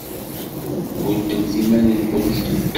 Ḥuddemt iman-went!